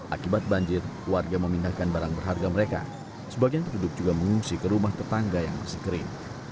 akibat banjir warga memindahkan barang berharga mereka sebagian penduduk juga mengungsi ke rumah tetangga yang masih kering